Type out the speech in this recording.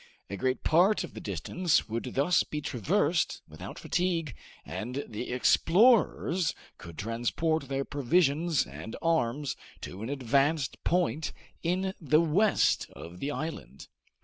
A great part of the distance would thus be traversed without fatigue, and the explorers could transport their provisions and arms to an advanced point in the west of the island.